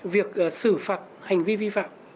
việc sự phạt hành vi vi phạm